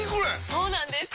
そうなんです！